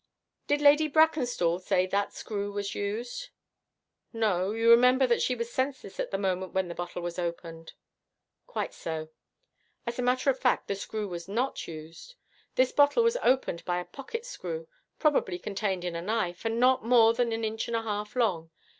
'Did Lady Brackenstall say that screw was used?' 'No, you remember that she was senseless at the moment when the bottle was opened.' 'Quite so. As a matter of fact, that screw was not used. This bottle was opened by a pocket screw, probably contained in a knife, and not more than an inch and a half long.